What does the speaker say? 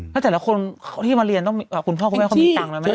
แล้วแต่ละคนที่มาเรียนต้องคุณพ่อคุณแม่เขามีตังค์แล้วแม่